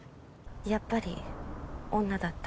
やっぱり女だった。